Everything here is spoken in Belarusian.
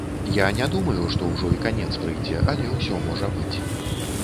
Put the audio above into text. Я не думаю, што ўжо і канец прыйдзе, але ўсё можа быць.